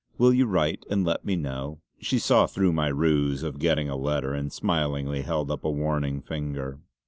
Will you write and let me know?" She saw through my ruse of getting a letter, and smilingly held up a warning finger.